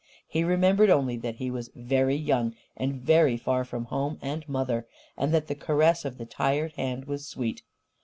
He remembered only that he was very young and very far from home and mother, and that the caress of the tired hand was sweet.